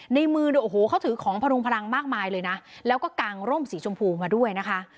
ในมือเนี่ยโอ้โหเขาถือของพรุงพลังมากมายเลยนะแล้วก็กางร่มสีชมพูมาด้วยนะคะ